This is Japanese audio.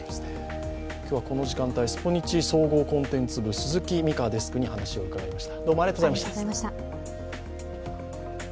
今日はこの時間帯、「スポニチ」総合コンテンツ部鈴木美香デスクにお話を伺いました。